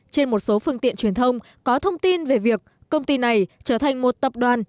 trên một số phương tiện truyền thông có thông tin về việc công ty này trở thành một tập đoàn